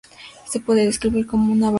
Se puede describir como una balada rock.